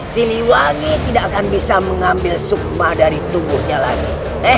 siliwangi tidak akan bisa mengambil sukma dari tubuhnya lagi